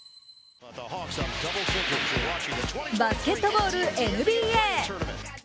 バスケットボールＮＢＡ。